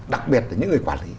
đặc biệt là những người quản lý